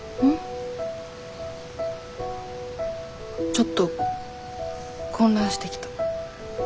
ちょっと混乱してきた。